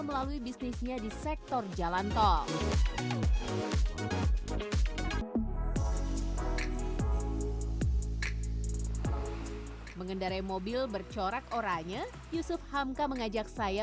melalui bisnisnya di sektor jalan tol mengendarai mobil bercorak oranya yusuf hamka mengajak saya